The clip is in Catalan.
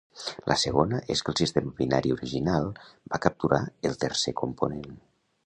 La segona és que el sistema binari original va capturar el tercer component.